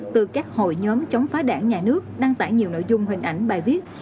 từ các hội nhóm chống phá đảng nhà nước đăng tải nhiều nội dung hình ảnh bài viết